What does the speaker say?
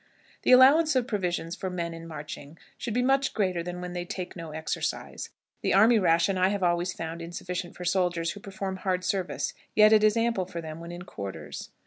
The allowance of provisions for men in marching should be much greater than when they take no exercise. The army ration I have always found insufficient for soldiers who perform hard service, yet it is ample for them when in quarters.